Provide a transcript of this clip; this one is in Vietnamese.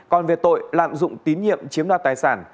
còn về tội lạm dụng tín nhiệm chiếm đoạt tài sản